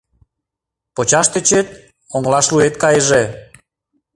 Почаш тӧчет — оҥылашлуэт кайыже!